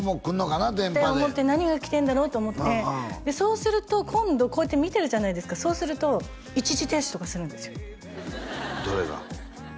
電波でって思って何が来てんだろうと思ってでそうすると今度こうやって見てるじゃないですかそうすると一時停止とかするんですよ